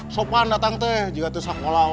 sopan datang juga sekolah